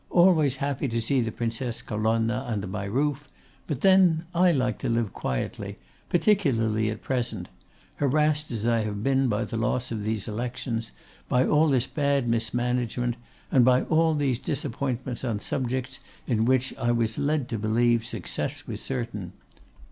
Always happy to see the Princess Colonna under my roof; but then I like to live quietly, particularly at present; harassed as I have been by the loss of these elections, by all this bad management, and by all these disappointments on subjects in which I was led to believe success was certain.